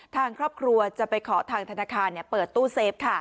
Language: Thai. ทางครอบครัวจะไปขอทางธนาคารเปิดตู้เซฟ